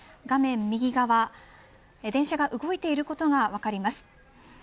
画面右側電車が動いていることが分かります。